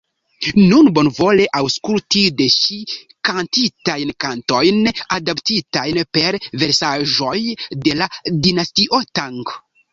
Nun bonvole aŭskultu de ŝi kantitajn kantojn adaptitajn per versaĵoj de la dinastio Tang.